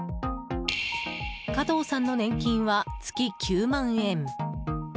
加藤さんの年金は月９万円。